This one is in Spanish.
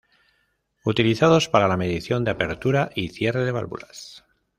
Utilizados para la medición de apertura y cierre de válvulas.